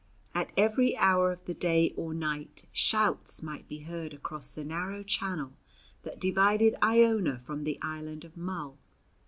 At every hour of the day or night shouts might be heard across the narrow channel that divided Iona from the island of Mull.